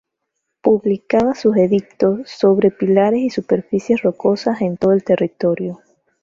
Publicaba sus edictos sobre pilares y superficies rocosas en todo el territorio.